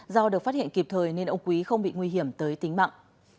do được phát hiện kịp thời nên ông quý không bị nguy hiểm tới tính mạng